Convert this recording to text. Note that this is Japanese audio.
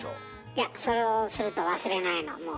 いやそれをすると忘れないのもう。